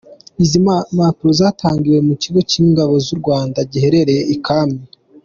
Izi mpanuro zatangiwe mu Kigo cy’Ingabo z’u Rwanda giherereye i Kami.